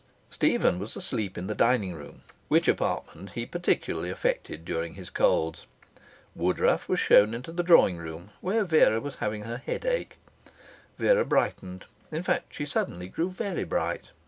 Stephen was asleep in the dining room, which apartment he particularly affected during his colds. Woodruff was shown into the drawing room, where Vera was having her headache. Vera brightened. In fact, she suddenly grew very bright.